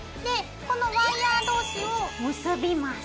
このワイヤー同士を結びます。